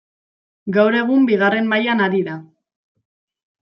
Gaur egun bigarren mailan ari da.